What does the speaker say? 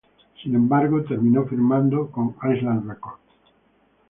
Sin embargo, terminó firmando con Island Records.